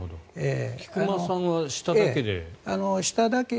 菊間さんは下だけ。